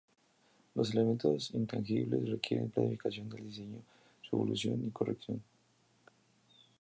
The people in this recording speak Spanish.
Los elementos intangibles requieren planificación del diseño, su evolución y corrección.